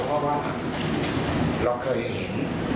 เพราะว่าเราเคยเห็น